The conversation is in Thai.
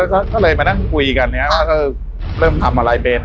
ก็เลยมานั่งคุยกันว่าเออเริ่มทำอะไรเป็น